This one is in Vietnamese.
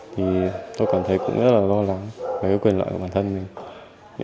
thì tôi cảm thấy cũng rất là lo lắng về quyền lợi của bản thân mình